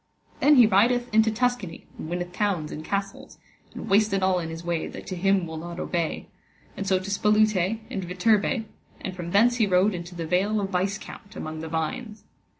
Then he rideth into Tuscany, and winneth towns and castles, and wasted all in his way that to him will not obey, and so to Spolute and Viterbe, and from thence he rode into the Vale of Vicecount among the vines.